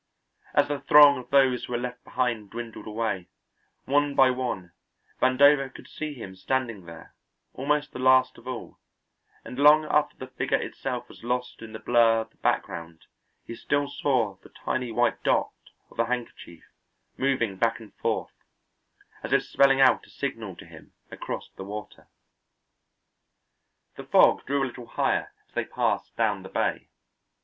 As the throng of those who were left behind dwindled away, one by one, Vandover could see him standing there, almost the last of all, and long after the figure itself was lost in the blur of the background he still saw the tiny white dot of the handkerchief moving back and forth, as if spelling out a signal to him across the water. The fog drew a little higher as they passed down the bay.